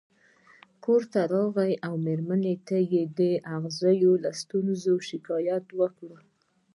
کور ته راغی او مېرمنې ته یې د اغزي له ستونزې شکایت وکړ.